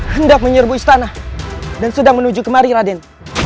hendak menyerbu istana dan sedang menuju kemari raden